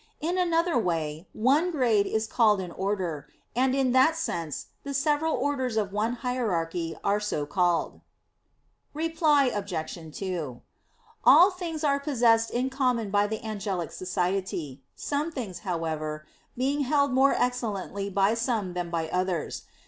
In another way one grade is called an order; and in that sense the several orders of one hierarchy are so called. Reply Obj. 2: All things are possessed in common by the angelic society, some things, however, being held more excellently by some than by others.